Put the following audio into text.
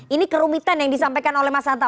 ini kerumitan yang disampaikan oleh mas hanta